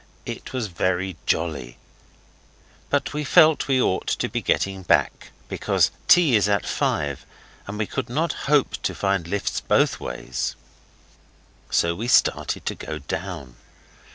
It was very jolly, but we felt we ought to be getting back, because tea is at five, and we could not hope to find lifts both ways. So we started to go down.